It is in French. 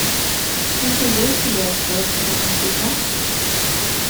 Que faisait Phileas Fogg pendant ce temps?